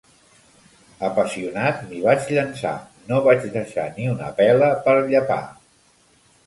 Apassionat, m'hi vaig llençar; no vaig deixar ni una pela per llepar!